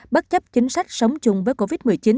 bất chấp chính sách sống chung với covid một mươi chín